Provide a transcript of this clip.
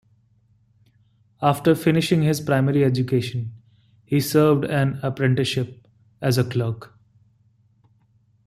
After finishing his primary education, he served an apprenticeship as a clerk.